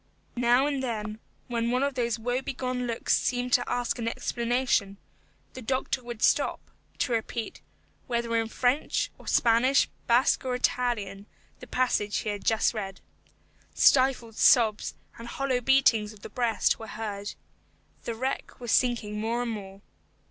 Now and then, when one of those woebegone looks seemed to ask an explanation, the doctor would stop, to repeat whether in French, or Spanish, Basque, or Italian the passage he had just read. Stifled sobs and hollow beatings of the breast were heard. The wreck was sinking more and more.